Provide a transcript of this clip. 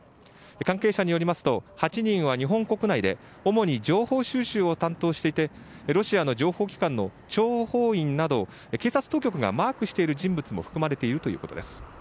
関係者によりますと８人は日本国内で主に情報収集を担当していてロシアの情報機関の諜報員など警察当局がマークしている人物も含まれているということです。